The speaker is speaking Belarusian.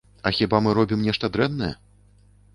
А хіба мы робім нешта дрэннае?